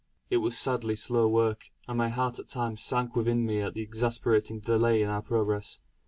It was sadly slow work, and my heart at times sank within me at the exasperating delay in our progress.